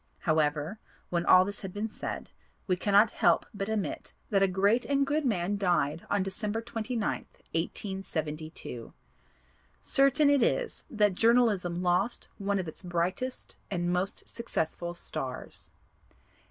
However, when all this has been said we cannot help but admit that a great and good man died on December 29th, 1872. Certain it is that Journalism lost one of its brightest and most successful stars.